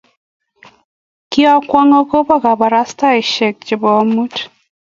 Kiakwong' akobo kabarastaesiek chebo amut